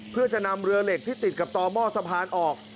เพื่อจะนำเรือเหล็กที่ติดกับต่อหม้อสะพานออก